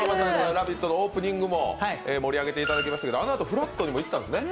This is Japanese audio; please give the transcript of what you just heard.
「ラヴィット！」のオープニングも盛り上げていただいて、あのあと「＃ふらっと」にも行ったんですね。